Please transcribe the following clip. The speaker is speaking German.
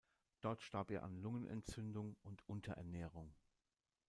Dort starb er an Lungenentzündung und Unterernährung.